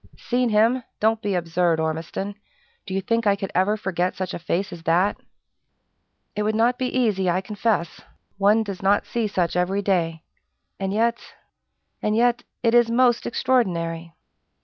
"Seen him? Don't be absurd, Ormiston! Do you think I could ever forget such a face as that?" "It would not be easy, I confess. One does not see such every day. And yet and yet it is most extraordinary!"